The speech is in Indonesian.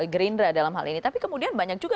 gerindra dalam hal ini tapi kemudian banyak juga